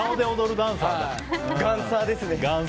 ガンサーですね。